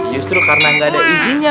justru karena nggak ada izinnya